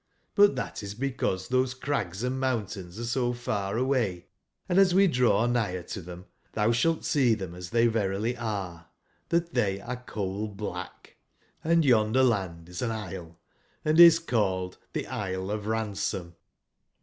But tbat is because tbose crags and mountains are so far away, and as we draw nigber to tbem, tbou sbalt see tbem as tbey verily are, tbat tbey are coal/blach; and yonder land is an isle, and is called tbe Isle of Ransom.